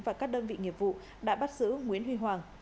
và các đơn vị nghiệp vụ đã bắt giữ nguyễn huy hoàng